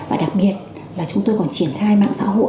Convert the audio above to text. và đặc biệt là chúng tôi còn triển khai mạng xã hội